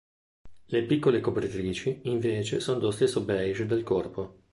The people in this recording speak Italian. Le piccole copritrici, invece, sono dello stesso beige del corpo.